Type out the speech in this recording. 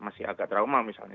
masih agak drama misalnya